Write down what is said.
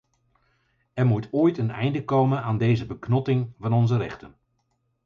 Er moet ooit een einde komen aan deze beknotting van onze rechten.